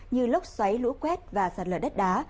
như lốc xoáy lũ quét và sạt lở đất đá